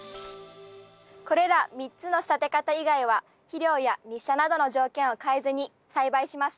これら３つの仕立て方以外は肥料や日射などの条件を変えずに栽培しました。